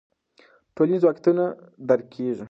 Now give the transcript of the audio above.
ټولنیز واقعیتونه درک کیږي.